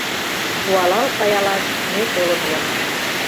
Куалал каялаш ме толын улына.